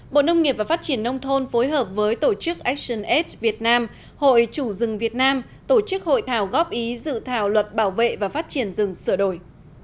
bộ nông nghiệp và phát triển nông thôn phối hợp với tổ chức axims việt nam hội chủ rừng việt nam tổ chức hội thảo góp ý dự thảo luật bảo vệ và phát triển rừng sửa đổi